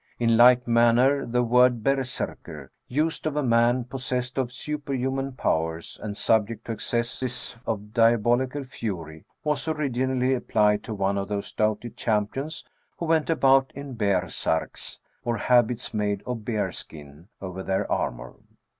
In like manner the word berserkr, used of a man possessed of superhuman powers, and subject to accesses of diabolical fury, was originally applied to one of those doughty champions who went about in bear sarks, or habits made of bear skin over their armour.